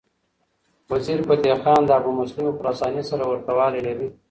وزیرفتح خان د ابومسلم خراساني سره ورته والی لري.